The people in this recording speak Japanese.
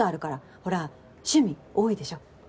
ほら趣味多いでしょ。